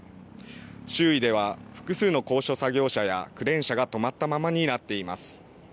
周囲では複数の高所作業車やクレーン車が止まったままになっています。